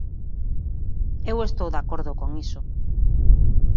Eu estou de acordo con iso.